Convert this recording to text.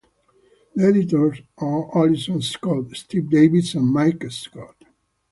The editors are Alison Scott, Steve Davies and Mike Scott.